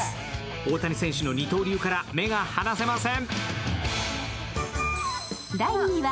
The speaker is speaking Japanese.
大谷選手の二刀流から目が離せません。